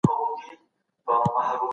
دا احساس ډېر لوی دی.